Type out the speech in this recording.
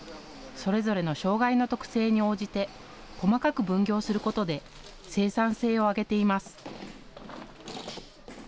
それぞれの障害の特性に応じて細かく分業することで生産性を上げています。